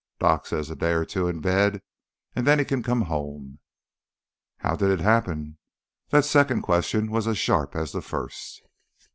Doc says a day o' two in bed and then he kin come home." "How did it happen?" That second question was as sharp as the first.